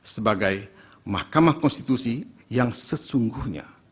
sebagai mahkamah konstitusi yang sesungguhnya